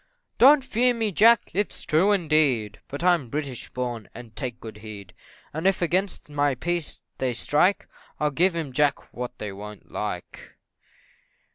"Don't fear me, Jack it's true, indeed, but I'm British born, and take good heed; And if against my peace they strike, I'll give 'em, Jack, what they wo'n't like."